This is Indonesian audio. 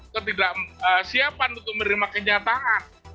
ketidaksiapan untuk menerima kenyataan